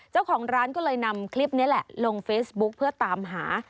เจ้าของร้านก็เลยนำคลิปนี้แหละลงเฟซบุ๊กเพื่อตามหา